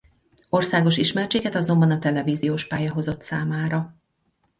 Országos ismertséget azonban a televíziós pálya hozott számára.